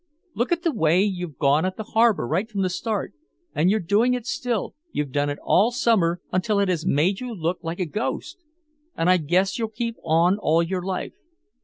Look at the way you've gone at the harbor right from the start. And you're doing it still you've done it all summer until it has made you look like a ghost. And I guess you'll keep on all your life.